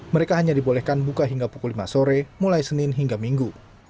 mereka hanya dibolehkan buka hingga pukul lima sore mulai senin hingga minggu